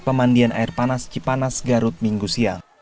pemandian air panas cipanas garut minggu siang